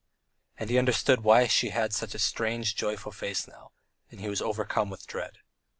And he understood why she had such a strange, joyful face now, and he was overcome with dread.